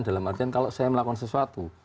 dalam artian kalau saya melakukan sesuatu